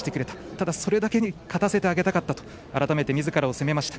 ただ、それだけに勝たせてあげたかったと改めてみずからを責めました。